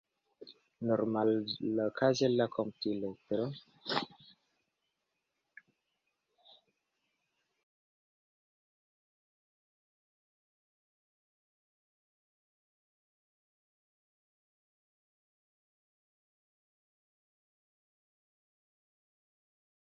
Normalokaze la komputilestro multe diskutis kun Petro kaj Danjelo.